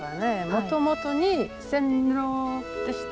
もともとに線路でした。